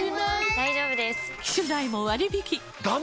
大丈夫です！